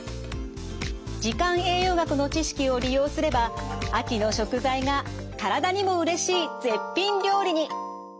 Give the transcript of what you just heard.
時間栄養学の知識を利用すれば秋の食材が体にもうれしい絶品料理に！